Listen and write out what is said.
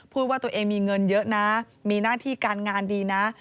ว่าตัวเองมีเงินเยอะนะมีหน้าที่การงานดีนะ